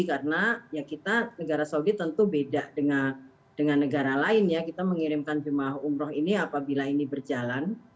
karena ya kita negara saudi tentu beda dengan negara lain ya kita mengirimkan jemaah umrah ini apabila ini berjalan